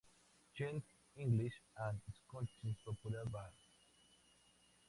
Child: "English and Scottish Popular Ballads", i.